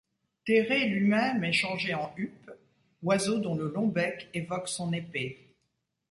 Térée lui-même est changé en huppe, oiseau dont le long bec évoque son épée.